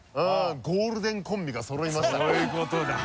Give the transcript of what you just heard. ゴールデンコンビがそろいましたから。